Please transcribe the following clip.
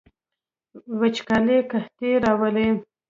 وچکالي قحطي راوړي